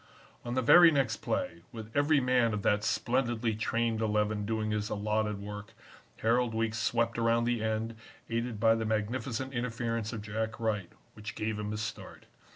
"On the very next play, with every man of that splendidly trained Eleven doing his allotted work, Harold Weekes swept around the end, aided by the magnificent interference of Jack Wright, which gave him his start.